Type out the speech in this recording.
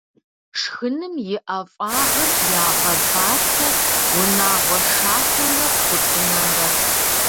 Шхыным и ӏэфагъыр ягъэбатэ унагъуэ шатэмрэ тхъуцӏынэмрэ.